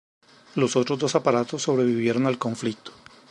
Los otros dos aparatos sobrevivieron al conflicto.